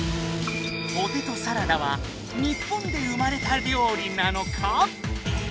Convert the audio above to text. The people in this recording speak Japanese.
ポテトサラダは日本で生まれた料理なのか？